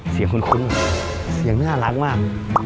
คุ้นเสียงน่ารักมาก